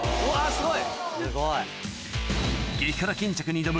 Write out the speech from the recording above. すごい！